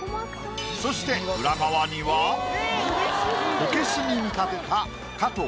そしてこけしに見立てた加藤。